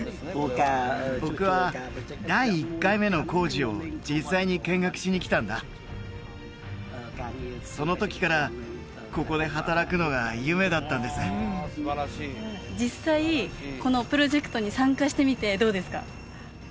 僕は第一回目の工事を実際に見学しに来たんだその時からここで働くのが夢だったんです実際このプロジェクトに参加してみてどうですか？